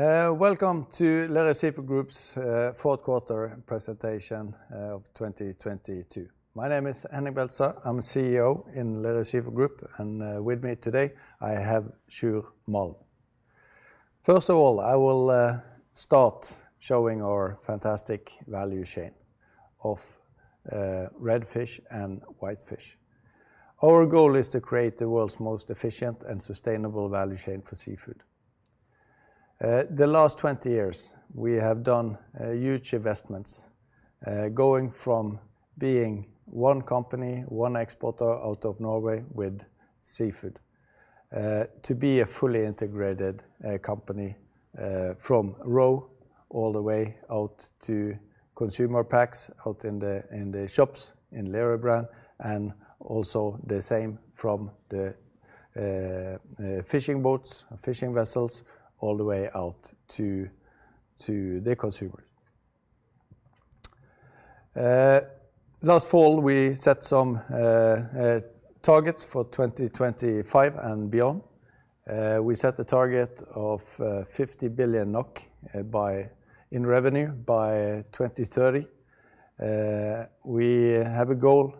Welcome to Lerøy Seafood Group's fourth quarter presentation of 2022. My name is Henning Beltestad. I'm CEO in Lerøy Seafood Group. With me today I have Sjur Malm. First of all, I will start showing our fantastic value chain of red fish and white fish. Our goal is to create the world's most efficient and sustainable value chain for seafood. The last 20 years, we have done huge investments, going from being one company, one exporter out of Norway with seafood, to be a fully integrated company, from roe all the way out to consumer packs out in the shops in Lerøy brand and also the same from the fishing boats, fishing vessels, all the way out to the consumers. Last fall, we set some targets for 2025 and beyond. We set the target of 50 billion NOK in revenue by 2030. We have a goal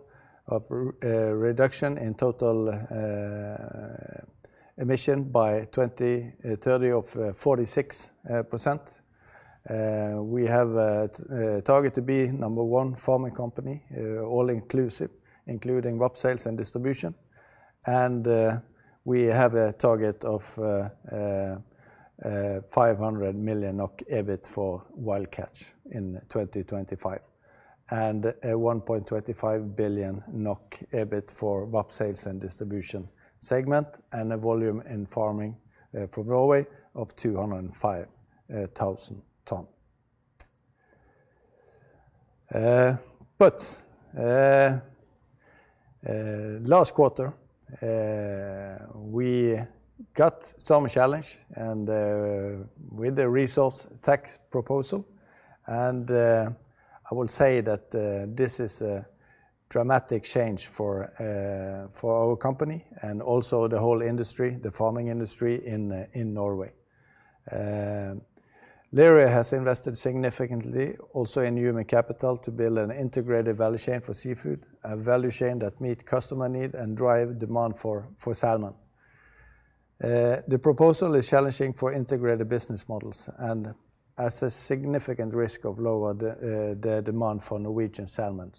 of reduction in total emission by 2030 of 46%. We have a target to be number one farming company, all inclusive, including VAP sales and distribution. We have a target of 500 million NOK EBIT for wild catch in 2025 and a 1.25 billion NOK EBIT for VAP sales and distribution segment and a volume in farming for Norway of 205,000 tons. Got some challenge with the resource rent tax proposal. I will say that this is a dramatic change for our company and also the whole industry, the farming industry in Norway. Lerøy has invested significantly also in human capital to build an integrated value chain for seafood, a value chain that meet customer need and drive demand for salmon. The proposal is challenging for integrated business models and has a significant risk of lower the demand for Norwegian salmon.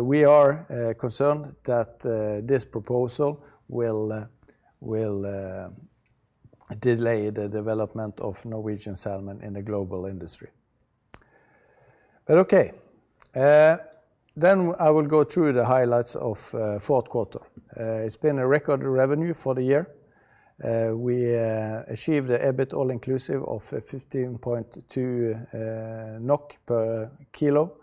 We are concerned that this proposal will delay the development of Norwegian salmon in the global industry. Okay. Then I will go through the highlights of fourth quarter. It's been a record revenue for the year. We achieved a EBIT all inclusive of 15.2 NOK per kilo.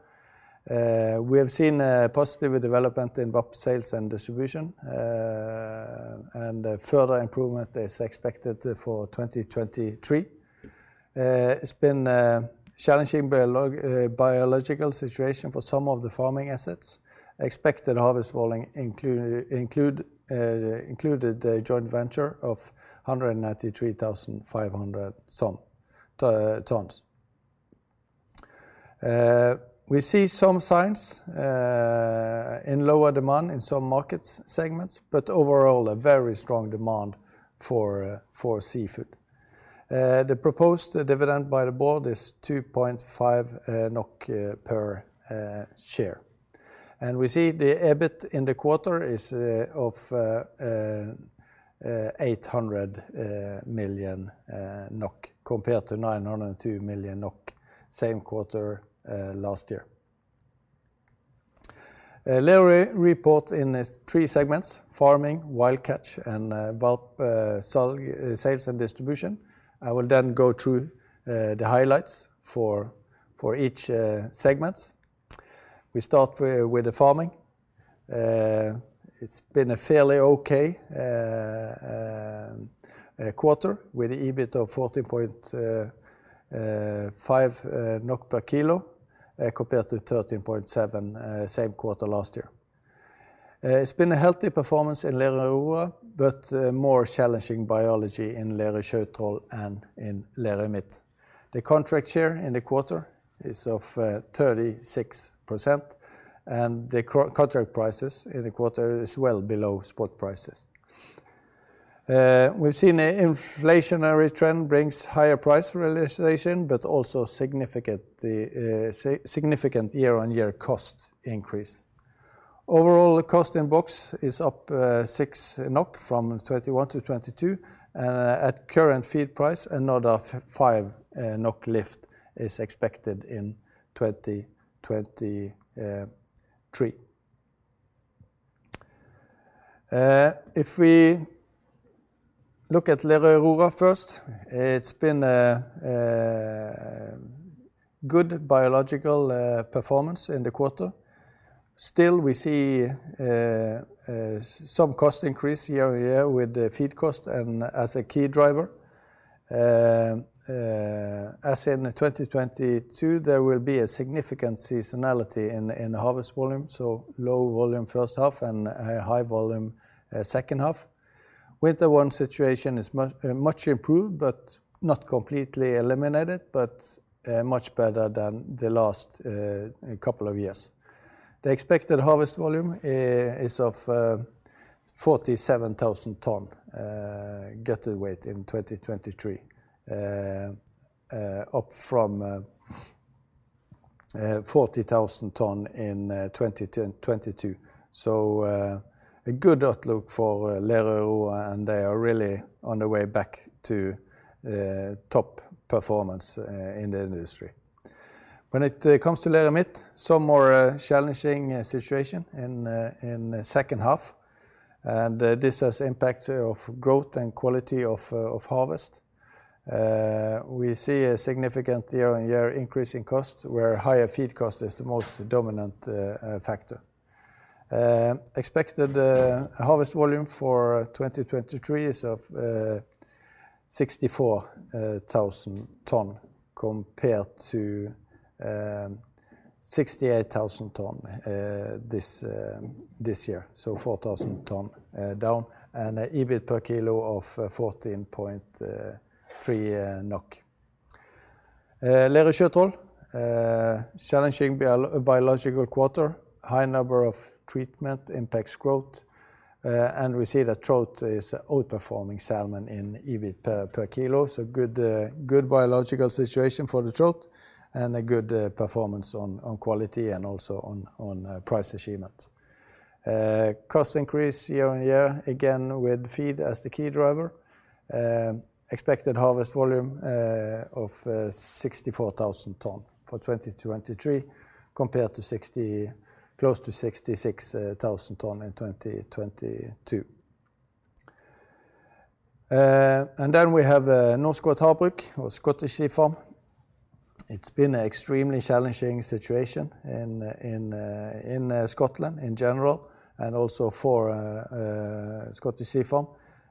We have seen a positive development in VAP sales and distribution, a further improvement is expected for 2023. It's been a challenging biological situation for some of the farming assets. Expected harvest volume included the joint venture of 193,500 tons. We see some signs in lower demand in some markets segments, overall a very strong demand for seafood. The proposed dividend by the board is 2.5 NOK per share. We see the EBIT in the quarter is of 800 million NOK compared to 902 million NOK same quarter last year. Lerøy report in three segments: farming, wild catch, and VAP, sales and distribution. I will then go through the highlights for each segments. We start with the farming. It's been a fairly okay quarter with EBIT of 14.5 NOK per kilo compared to 13.7 same quarter last year. It's been a healthy performance in Lerøy Aurora, but more challenging biology in Lerøy Sjøtroll and in Lerøy Midt. The contract share in the quarter is of 36%, and the contract prices in the quarter is well below spot prices. We've seen an inflationary trend brings higher price realization, but also significant year-on-year cost increase. Overall cost in box is up 6 NOK from 2021-2022. At current feed price, another 5 NOK lift is expected in 2023. If we look at Lerøy Aurora first, it's been good biological performance in the quarter. Still we see some cost increase year-on-year with the feed cost as a key driver. As in 2022, there will be a significant seasonality in the harvest volume, so low volume first half and a high volume second half. Winter one situation is much improved, but not completely eliminated, but much better than the last couple of years. The expected harvest volume is of 47,000 tons gutted weight in 2023. Up from 40,000 tons in 2022. A good outlook for Lerøy, and they are really on the way back to top performance in the industry. When it comes to Lerøy Midt, some more challenging situation in the second half, and this has impact of growth and quality of harvest. We see a significant year-on-year increase in cost where higher feed cost is the most dominant factor. Expected harvest volume for 2023 is of 64,000 ton compared to 68,000 ton this year, so 4,000 ton down, and EBIT per kilo of 14.3 NOK. Lerøy Sjøtroll, challenging biological quarter, high number of treatment impacts growth. We see that trout is outperforming salmon in EBIT per kilo, so good biological situation for the trout and a good performance on quality and also on price achievement. Cost increase year-on-year again with feed as the key driver. Expected harvest volume of 64,000 tons for 2023 compared to close to 66,000 tons in 2022. We have Norskott Havbruk or Scottish Sea Farms. It's been an extremely challenging situation in Scotland in general and also for Scottish Sea Farms.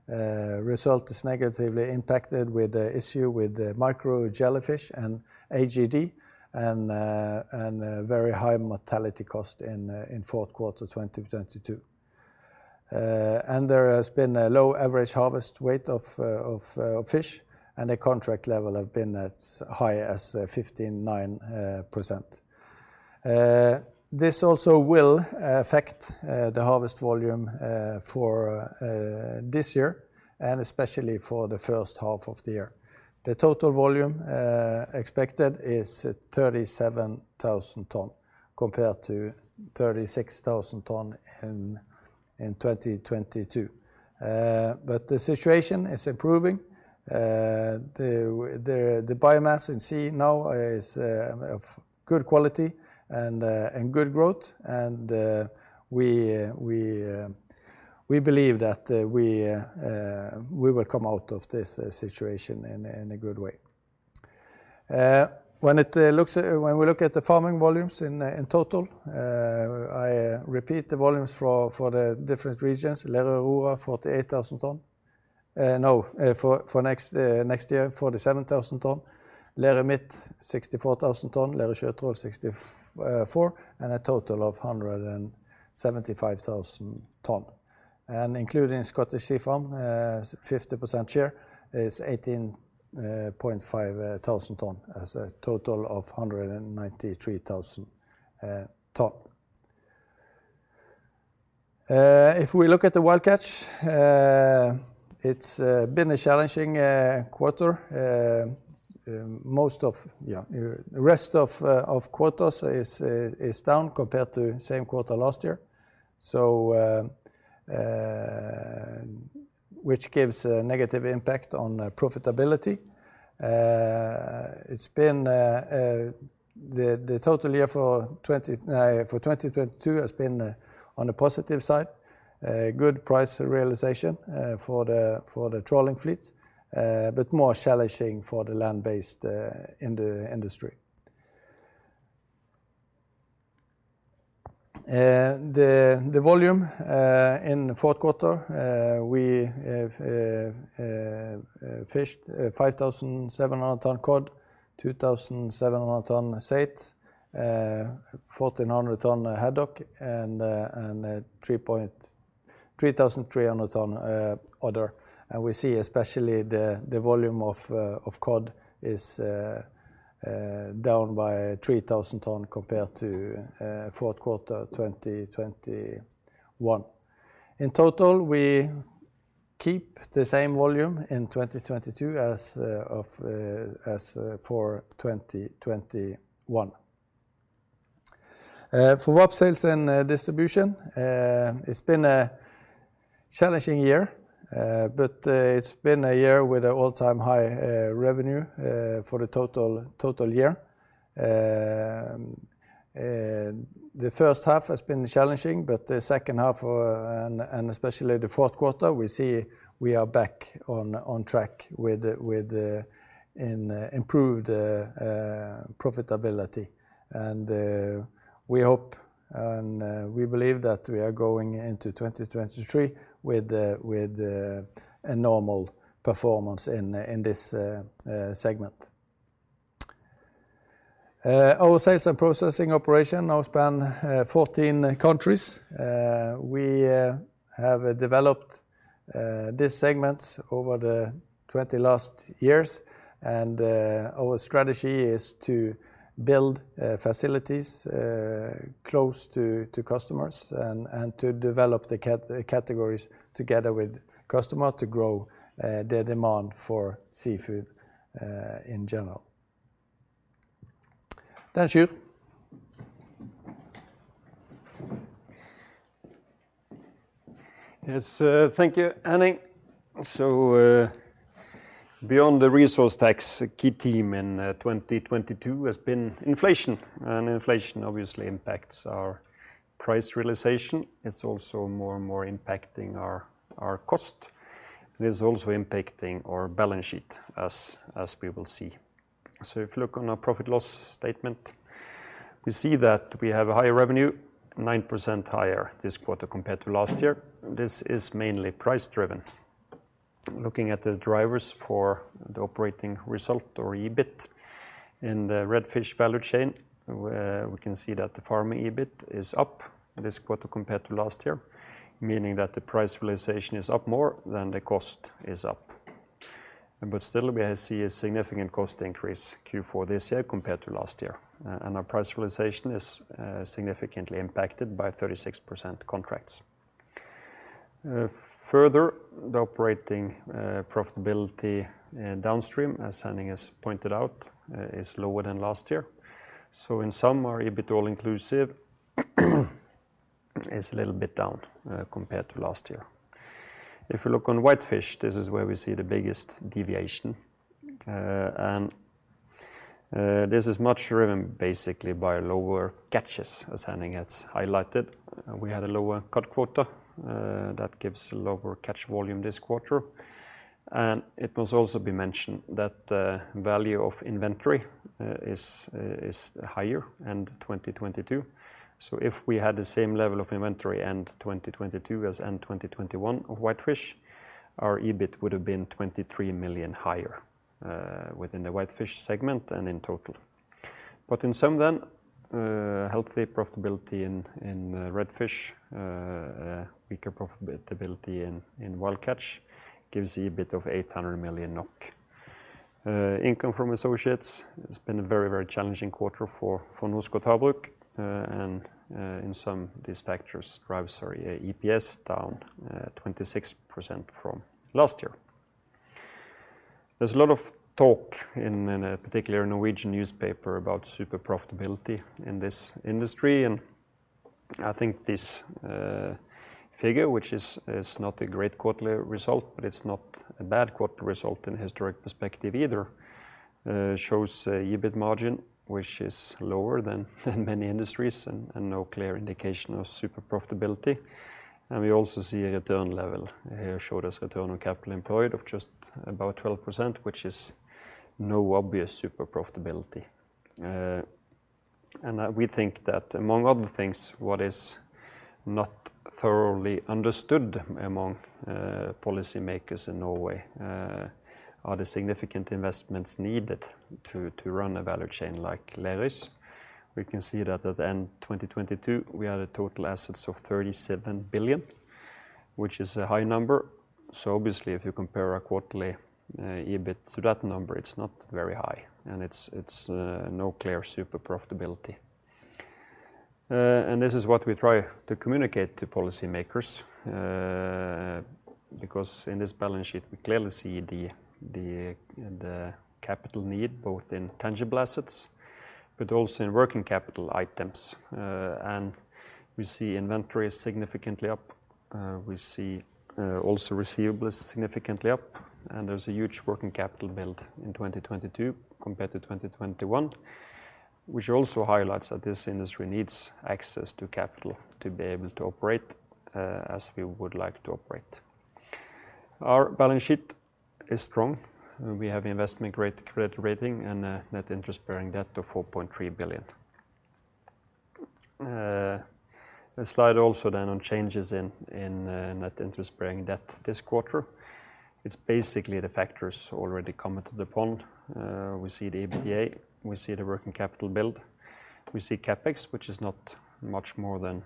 Result is negatively impacted with the issue with micro-jellyfish and AGD and a very high mortality cost in fourth quarter 2022. There has been a low average harvest weight of fish, and the contract level have been as high as 59%. This also will affect the harvest volume for this year and especially for the first half of the year. The total volume expected is 37,000 ton compared to 36,000 ton in 2022. The situation is improving. The biomass in sea now is of good quality and good growth, and we believe that we will come out of this situation in a good way. When we look at the farming volumes in total, I repeat the volumes for the different regions. Lerøy Aurora, 48,000 ton. No, for next year, 47,000 ton. Lerøy Midt, 64,000 ton. Lerøy Sjøtroll, 64, and a total of 175,000 ton. Including Scottish Sea Farms, 50% share is 18.5 thousand ton. That's a total of 193,000 ton. If we look at the wild catch, it's been a challenging quarter. Most of-- Yeah. The rest of quotas is down compared to same quarter last year, which gives a negative impact on profitability. It's been-- The total year for 2022 has been on the positive side. Good price realization for the trawling fleets, but more challenging for the land-based in the industry. The volume in the fourth quarter, we have fished 5,700 ton cod, 2,700 ton saithe, 1,400 ton haddock and 3,300 ton other. We see especially the volume of cod is down by 3,000 ton compared to fourth quarter 2021. In total, we keep the same volume in 2022 as of for 2021. For VAP Sales and Distribution, it's been a challenging year, but it's been a year with an all-time high revenue for the total year. The first half has been challenging, but the second half, and especially the fourth quarter, we see we are back on track with an improved Profitability. We hope and we believe that we are going into 2023 with a normal performance in this segment. Our sales and processing operation now span 14 countries. We have developed this segment over the 20 last years and our strategy is to build facilities close to customers and to develop the categories together with customer to grow the demand for seafood in general. Sjur. Yes. Thank you, Henning. Beyond the resource rent tax, a key theme in 2022 has been inflation, and inflation obviously impacts our price realization. It's also more and more impacting our cost. It is also impacting our balance sheet as we will see. If you look on our profit loss statement, we see that we have a higher revenue, 9% higher this quarter compared to last year. This is mainly price driven. Looking at the drivers for the operating result or EBIT in the red fish value chain, we can see that the farming EBIT is up this quarter compared to last year, meaning that the price realization is up more than the cost is up. Still we see a significant cost increase Q4 this year compared to last year. Our price realization is significantly impacted by 36% contracts. Further, the operating profitability downstream, as Henning Beltestad has pointed out, is lower than last year. In sum, our EBIT all inclusive is a little bit down compared to last year. If you look on whitefish, this is where we see the biggest deviation. This is much driven basically by lower catches as Henning Beltestad has highlighted. We had a lower cod quota that gives a lower catch volume this quarter. It must also be mentioned that the value of inventory is higher end 2022. If we had the same level of inventory end 2022 as end 2021 of whitefish, our EBIT would have been 23 million higher within the whitefish segment and in total. In sum, healthy profitability in red fish, weaker profitability in wild catch gives the EBIT of 800 million NOK. Income from associates, it's been a very, very challenging quarter for Norskott Havbruk, in sum these factors drive, sorry, EPS down 26% from last year. There's a lot of talk in a particular Norwegian newspaper about super profitability in this industry. I think this figure, which is not a great quarterly result, but it's not a bad quarter result in historic perspective either, shows a EBIT margin which is lower than many industries and no clear indication of super profitability. We also see a return level. Here showed as Return on Capital Employed of just about 12%, which is no obvious super profitability. We think that among other things, what is not thoroughly understood among policymakers in Norway, are the significant investments needed to run a value chain like Lerøy's. We can see that at the end of 2022, we had a total assets of 37 billion, which is a high number. Obviously if you compare our quarterly EBIT to that number, it's not very high and it's no clear super profitability. This is what we try to communicate to policymakers, because in this balance sheet we clearly see the capital need both in tangible assets but also in working capital items. We see inventory is significantly up. We see also receivables significantly up. There's a huge working capital build in 2022 compared to 2021, which also highlights that this industry needs access to capital to be able to operate as we would like to operate. Our balance sheet is strong. We have investment-grade credit rating and a net interest-bearing debt of 4.3 billion. The slide also then on changes in net interest-bearing debt this quarter. It's basically the factors already commented upon. We see the EBITDA, we see the working capital build, we see CapEx, which is not much more than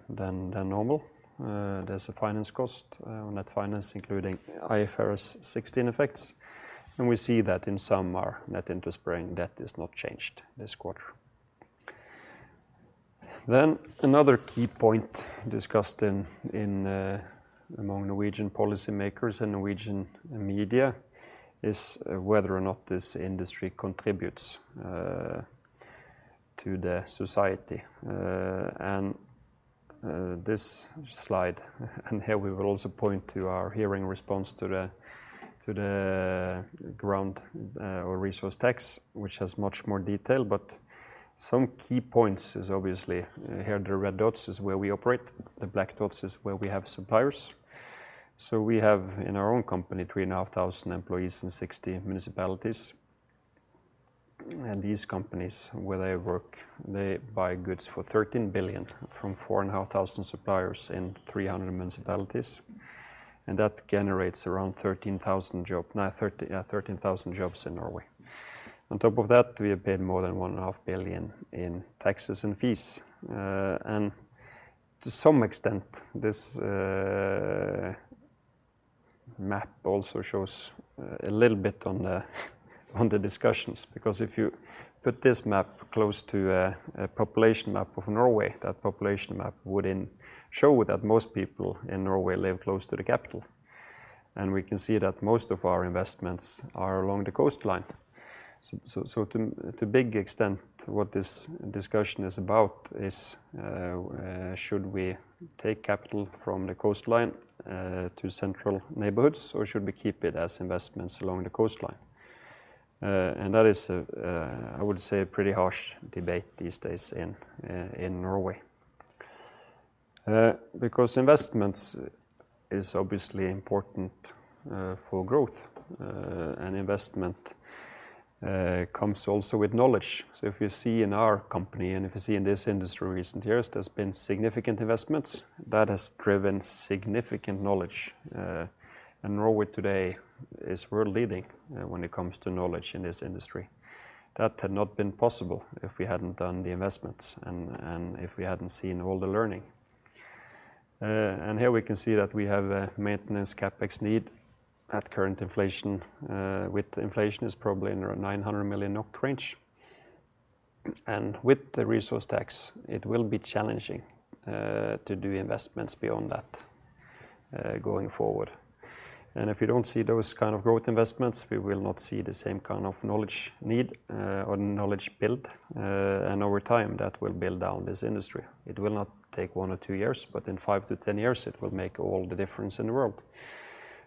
normal. There's a finance cost on net finance including IFRS 16 effects. We see that in sum our net interest-bearing debt is not changed this quarter. Another key point discussed in among Norwegian policymakers and Norwegian media is whether or not this industry contributes to the society. This slide. Here we will also point to our hearing response to the ground or resource tax, which has much more detail. Some key points is obviously here the red dots is where we operate. The black dots is where we have suppliers. We have in our own company 3,500 employees in 60 municipalities. These companies where they work, they buy goods for 13 billion from 4,500 suppliers in 300 municipalities, and that generates around 13,000 jobs in Norway. On top of that, we have paid more than 1.5 billion in taxes and fees. To some extent, this map also shows a little bit on the discussions, because if you put this map close to a population map of Norway, that population map wouldn't show that most people in Norway live close to the capital. We can see that most of our investments are along the coastline. To big extent, what this discussion is about is, should we take capital from the coastline, to central neighborhoods, or should we keep it as investments along the coastline? That is, I would say a pretty harsh debate these days in Norway. Because investments is obviously important for growth, and investment comes also with knowledge. If you see in our company and if you see in this industry in recent years, there's been significant investments that has driven significant knowledge. Norway today is world-leading when it comes to knowledge in this industry. That had not been possible if we hadn't done the investments and if we hadn't seen all the learning. Here we can see that we have a maintenance CapEx need at current inflation. With inflation is probably in our 900 million NOK range. With the resource rent tax, it will be challenging to do investments beyond that going forward. If you don't see those kind of growth investments, we will not see the same kind of knowledge need or knowledge build, and over time, that will build down this industry. It will not take one or two years, but in five to 10 years, it will make all the difference in the world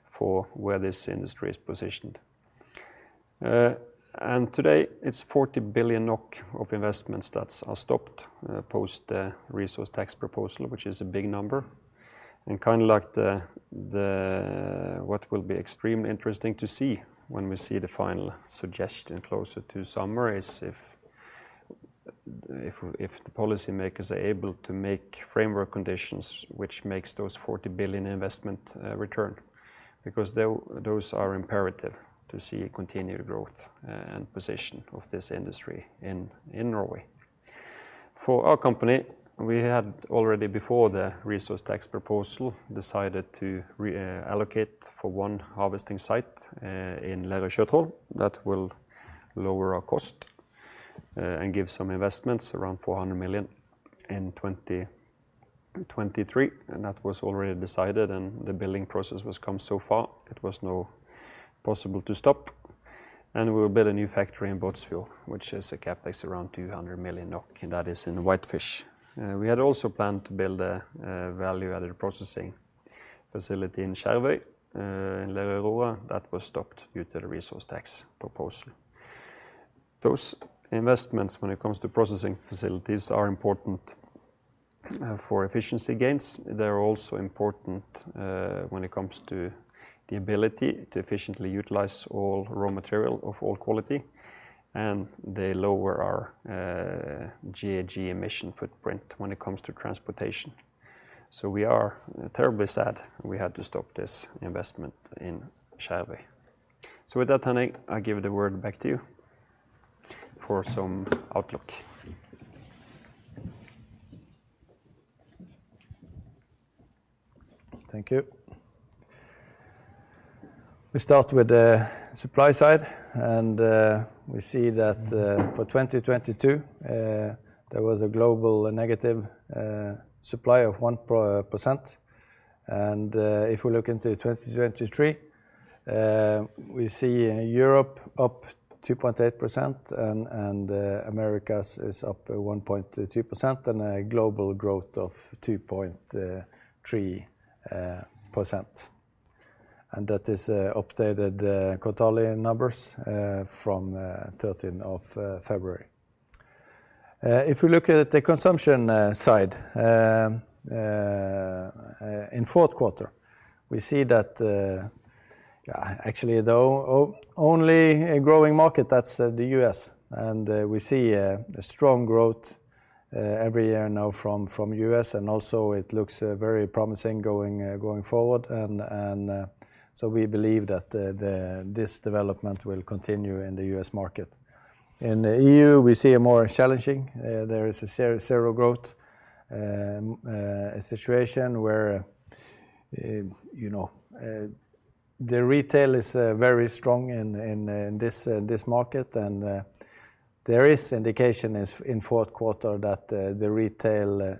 for where this industry is positioned. Today it's 40 billion NOK of investments are stopped post the resource tax proposal, which is a big number. What will be extremely interesting to see when we see the final suggestion closer to summer is if the policymakers are able to make framework conditions which makes those 40 billion investment return, because those are imperative to see continued growth and position of this industry in Norway. For our company, we had already before the resource rent tax proposal, decided to allocate for one harvesting site in Lekneskjølen, that will lower our cost and give some investments around 400 million in 2023. That was already decided and the building process was come so far, it was not possible to stop. We will build a new factory in Båtsfjord, which is a CapEx around 200 million NOK, and that is in whitefish. We had also planned to build a value-added processing facility in Skjervøy in Laukeng, that was stopped due to the resource rent tax proposal. Those investments, when it comes to processing facilities, are important for efficiency gains. They're also important when it comes to the ability to efficiently utilize all raw material of all quality, and they lower our GHG emission footprint when it comes to transportation. We are terribly sad we had to stop this investment in Skjervøy. With that, Henning, I give the word back to you for some outlook. Thank you. We start with the supply side, and we see that for 2022, there was a global negative supply of 1%. If we look into 2023, we see Europe up 2.8% and Americas is up 1.2% and a global growth of 2.3%. That is updated Kontali numbers from 13th of February. If we look at the consumption side, in fourth quarter, we see that actually the only growing market, that's the U.S., and we see a strong growth every year now from U.S., and also it looks very promising going forward. So we believe that this development will continue in the U.S. market. In the EU, we see a more challenging, there is a zero growth situation where, you know, the retail is very strong in this market. There is indication is in fourth quarter that the retail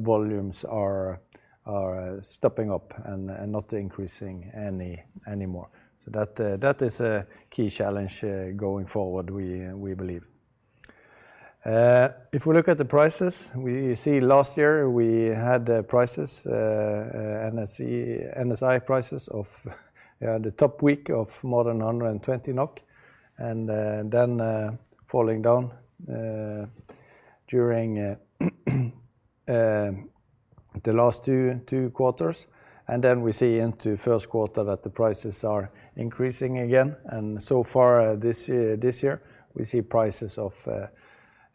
volumes are stopping up and not increasing anymore. That is a key challenge going forward, we believe. If we look at the prices, we see last year we had the prices, NSI prices of the top week of more than 120 NOK, and then falling down during the last two quarters, and then we see into first quarter that the prices are increasing again. So far, this year, we see prices of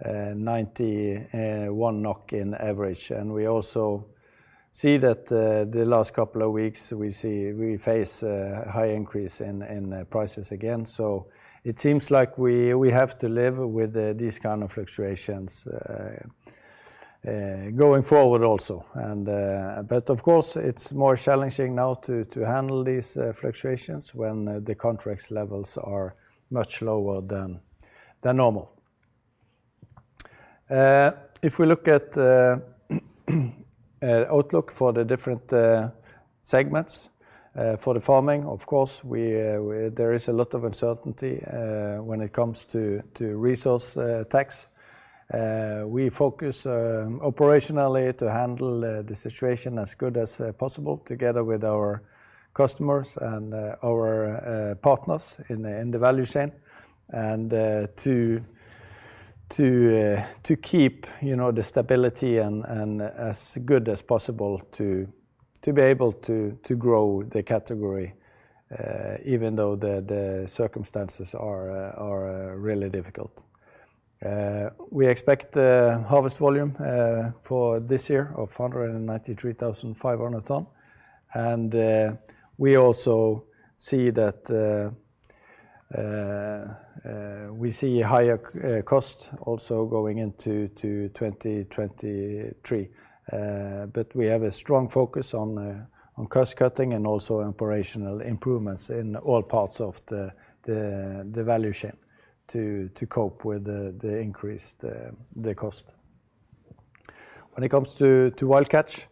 91 NOK in average. We also see that the last couple of weeks, we face a high increase in prices again. It seems like we have to live with these kind of fluctuations going forward also. Of course, it's more challenging now to handle these fluctuations when the contracts levels are much lower than normal. If we look at the outlook for the different segments, for the farming, of course, there is a lot of uncertainty when it comes to resource tax. We focus operationally to handle the situation as good as possible together with our customers and our partners in the value chain. To keep, you know, the stability and as good as possible to be able to grow the category even though the circumstances are really difficult. We expect the harvest volume for this year of 193,500 ton. We also see that the we see higher cost also going into 2023. But we have a strong focus on cost cutting and also operational improvements in all parts of the value chain to cope with the increased cost. When it comes to wild catch,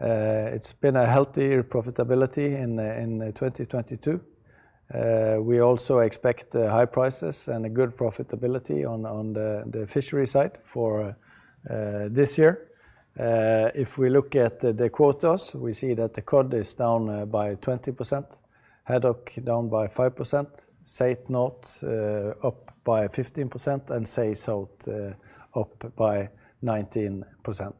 it's been a healthier profitability in 2022. We also expect high prices and a good profitability on the fishery side for this year. If we look at the quotas, we see that the cod is down by 20%, haddock down by 5%, saithe north up by 15%, and saithe south up by 19%.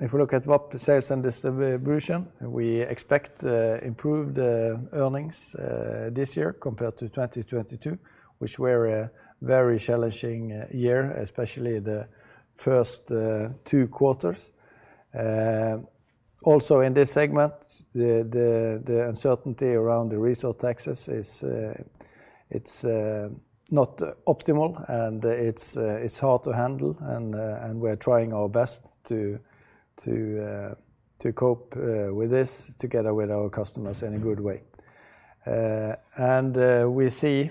If we look at what sales and distribution, we expect improved earnings this year compared to 2022, which were a very challenging year, especially the first two quarters. ound resource access is not optimal and it's hard to handle. We are trying our best to cope with this together with our customers in a good way. We see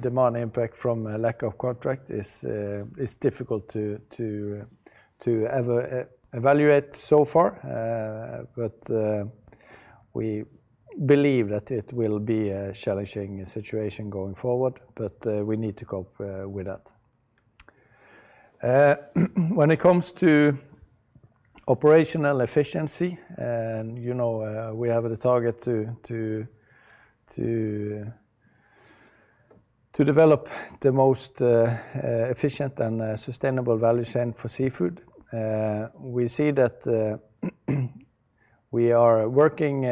demand impact from a lack of contract is difficult to evaluate so far. We believe that it will be a challenging situation going forward, but we need to cope with that. When it comes to operational efficiency, you know, we have the target to develop the most efficient and sustainable value chain for seafood. We see that the, we are working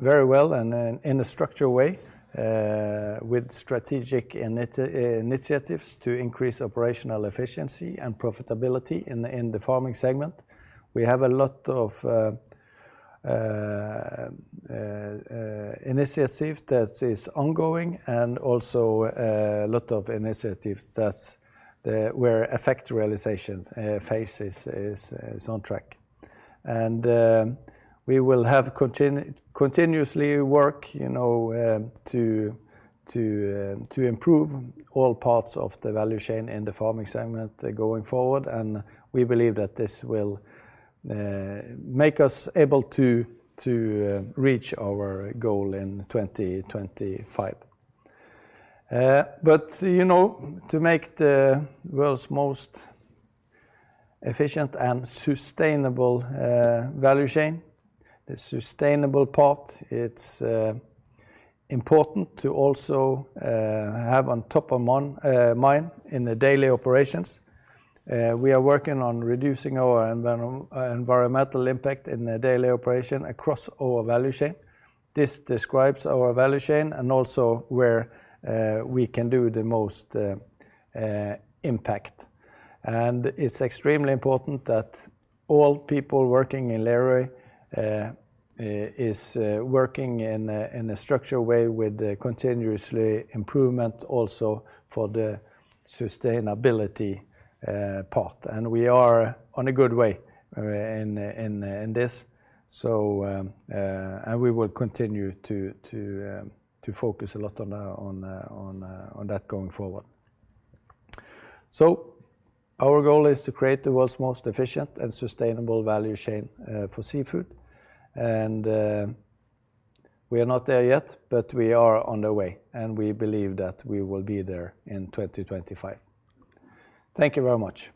very well and in a structured way with strategic initiatives to increase operational efficiency and profitability in the farming segment. We have a lot of initiatives that is ongoing and also a lot of initiatives that's where effect realization phase is on track. We will have continuously work, you know, to improve all parts of the value chain in the farming segment going forward. We believe that this will make us able to reach our goal in 2025. You know, to make the world's most efficient and sustainable value chain, the sustainable part, it's important to also have on top of mind in the daily operations. We are working on reducing our environmental impact in the daily operation across our value chain. This describes our value chain and also where we can do the most impact. It's extremely important that all people working in Lerøy is working in a structured way with the continuously improvement also for the sustainability part. We are on a good way in this. We will continue to focus a lot on that going forward. Our goal is to create the world's most efficient and sustainable value chain for seafood. We are not there yet, but we are on the way, and we believe that we will be there in 2025. Thank you very much.